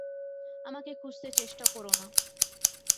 আমাকে খুঁজতে চেষ্টা কোরো না।